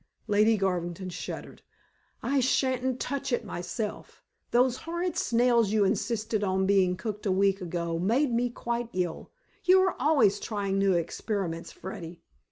Lady Garvington shuddered. "I shan't touch it myself. Those horrid snails you insisted on being cooked a week ago made me quite ill. You are always trying new experiments, Freddy."